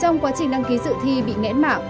trong quá trình đăng ký dự thi bị nghẽn mạng